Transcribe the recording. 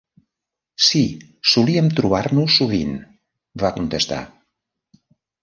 "Sí, solíem trobar-nos sovint", va contestar.